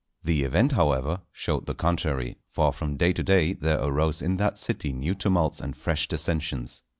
The event, however, showed the contrary, for from day to day there arose in that city new tumults and fresh dissensions.